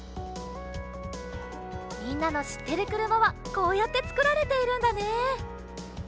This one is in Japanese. みんなのしってるくるまはこうやってつくられているんだね。